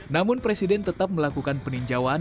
namun presiden tetap melakukan peninjauan